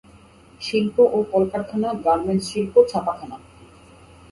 শিল্প ও কলকারখানা গার্মেন্টস শিল্প, ছাপাখানা।